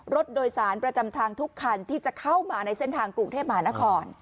รถโดยสารประจำทางทุกคันที่จะเข้ามาในเส้นทางกรุงเทพมหานคร